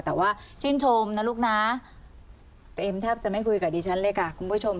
แต่ว่าชื่นชมนะลูกนะเอมแทบจะไม่คุยกับดิฉันเลยค่ะคุณผู้ชม